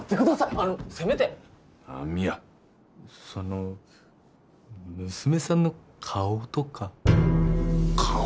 あのせめて何やその娘さんの顔とか顔？